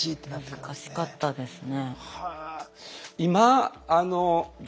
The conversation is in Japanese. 難しかったですね。